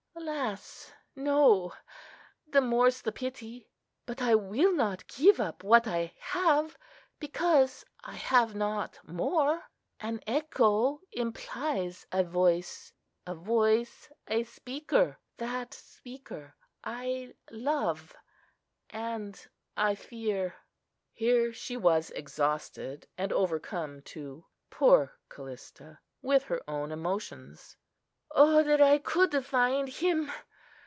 Alas! no!—the more's the pity! But I will not give up what I have, because I have not more. An echo implies a voice; a voice a speaker. That speaker I love and I fear." Here she was exhausted, and overcome too, poor Callista! with her own emotions. "O that I could find Him!"